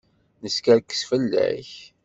Neskerkes fell-ak.